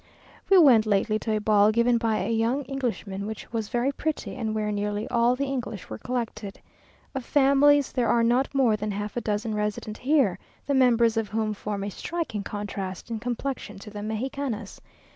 We went lately to a ball given by a young Englishman, which was very pretty, and where nearly all the English were collected. Of families, there are not more than half a dozen resident here, the members of whom form a striking contrast in complexion to the Mexicanas.